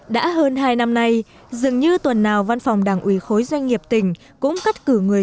đã hơn hai năm nay dường như tuần nào văn phòng đảng ủy khối doanh nghiệp tỉnh cũng cắt cử người